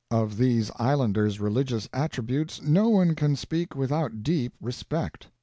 Of these islanders' religious attributes no one can speak without deep respect.